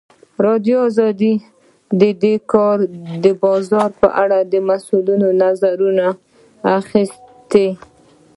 ازادي راډیو د د کار بازار په اړه د مسؤلینو نظرونه اخیستي.